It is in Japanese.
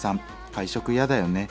「会食嫌だよね。